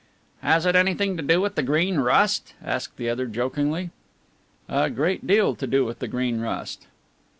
"Has it anything to do with the Green Rust?" asked the other jokingly. "A great deal to do with the Green Rust."